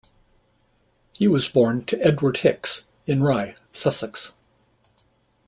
He was born to Edward Hicks in Rye, Sussex.